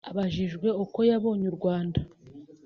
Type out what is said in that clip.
Abajijwe uko yabonye u Rwanda